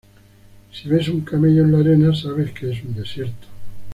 Si ves un camello en la arena, sabes que es un desierto.